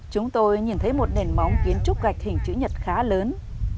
chúng tôi nhìn thấy một nền móng kiến trúc gạch hình chữ nhật khá lớn